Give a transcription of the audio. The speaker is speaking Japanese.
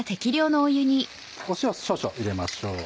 塩少々入れましょう。